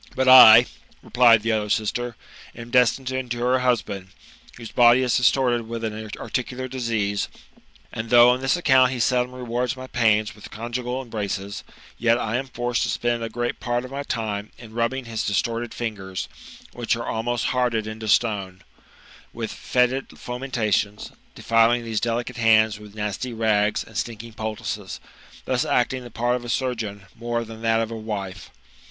''But Ii" replied the other sister, " am destined to endure a husband, whose body is distorted with an articular disease ; and though on this account he seldom rewards my pain with conjugal embraces, yet I am forced to spend a great part of my time in rubbiiig his distorted fingers, which are ahnost hardened into stone, with foetid fomentations, defHing these delicate hands with nasty rags and stinking poultices ; thus acting the part of a surgeon more than that of a wife.